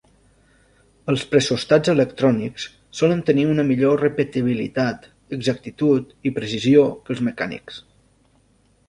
Els pressòstats electrònics solen tenir una millor repetibilitat, exactitud i precisió que els mecànics.